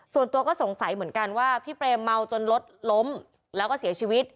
ส่วนตัวก็สงสัยเหมือนกันว่าพี่เปรมเมาจนรถล้มแล้วก็เสียชีวิต